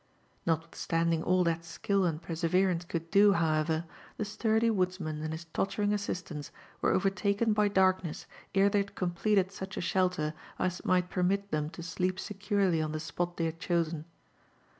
Notwithstanding all that skill and perseverance cionid do, however, the sturdy woodsman and his tottering assistants were ovevtaken by darkness ere they had completed such » shelter ae might permii theiift to sleep secure^ on the spot they had chosen.